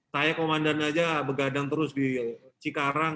saya komandan aja begadang terus di cikarang